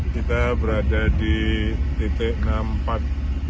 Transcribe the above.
kita berada di titik enam puluh empat ribu empat ratus